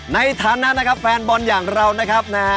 ในฐานะนะครับแฟนบอลอย่างเรานะครับนะฮะ